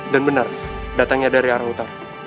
dan benar datangnya dari arah utara